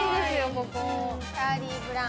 ここ。